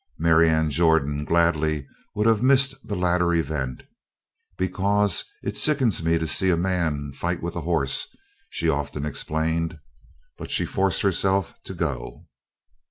Marianne Jordan gladly would have missed the latter event. "Because it sickens me to see a man fight with a horse," she often explained. But she forced herself to go.